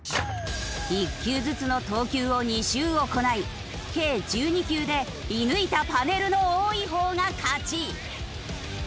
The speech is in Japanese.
１球ずつの投球を２周行い計１２球で射抜いたパネルの多い方が勝ち。